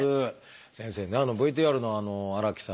先生ねＶＴＲの荒木さんと門馬さん